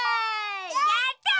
やった！